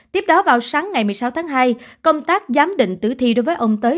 tiếp đó vào sáng ngày một mươi sáu tháng hai công tác giám định tử thi đối với ông tới